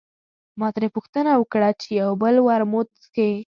ما ترې پوښتنه وکړه چې یو بل ورموت څښې.